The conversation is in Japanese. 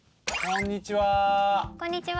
こんにちは！